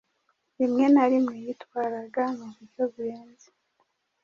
Rimwe na rimwe yitwaraga mu buryo burenze